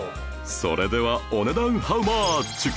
それではお値段ハウマッチ？